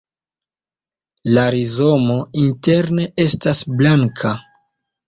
La rizomo interne estas blanka.